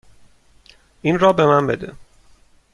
این را به من بده.